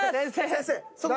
先生！